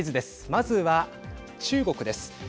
まずは中国です。